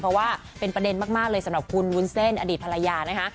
เพราะว่าเป็นประเด็นมากเลยสำหรับคุณวุ้นเส้นอดีตภรรยานะคะ